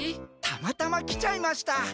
たまたま来ちゃいました。